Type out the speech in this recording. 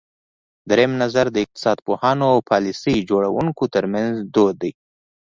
درېیم نظر د اقتصاد پوهانو او پالیسۍ جوړوونکو ترمنځ دود دی.